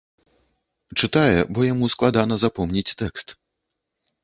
Чытае, бо яму складана запомніць тэкст.